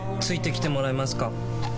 付いてきてもらえますか？